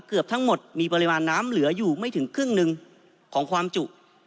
เกือบทั้งหมดมีปริมาณน้ำเหลืออยู่ไม่ถึงครึ่งหนึ่งของความจุ